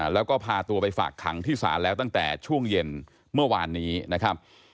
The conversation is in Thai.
แล้วก็พาตัวไปฝากขังที่ศาลแล้วตั้งแต่ช่วงเย็นเมื่อวานนี้นะครับ